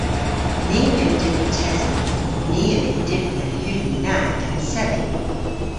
Ni a vynn dybri tesen. Ni a vynn dybri an huni na gans sevi.